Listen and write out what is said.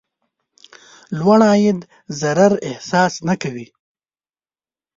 لوړ عاید ضرر احساس نه کوي.